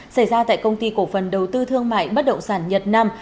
xảy ra tại công ty cổ phần đầu tư thương mại bất động sản nhật nam